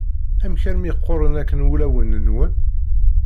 Amek armi qquren akken wulawen-nwen?